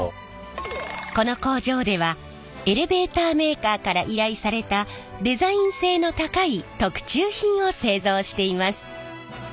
この工場ではエレベーターメーカーから依頼されたデザイン性の高い特注品を製造しています。